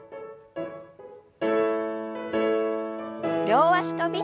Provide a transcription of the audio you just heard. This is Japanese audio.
両脚跳び。